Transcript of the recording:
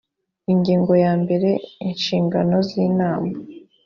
ingingo ya mbere inshingano z’inama